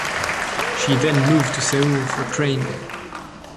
She then moved to Seoul for training.